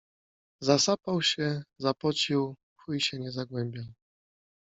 Zasapał się, zapocił, chuj się nie zagłębiał